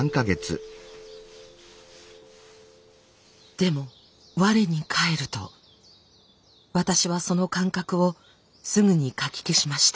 でも我に返ると私はその感覚をすぐにかき消しました。